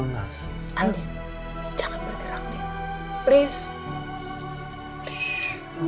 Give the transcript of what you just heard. andin jangan bergerak please